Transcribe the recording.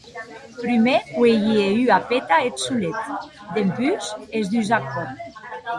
Prumèr cuelhie ua peta eth solet, dempús es dus ath còp.